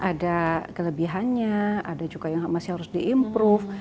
ya kan ada kelebihannya ada juga yang masih harus diimbas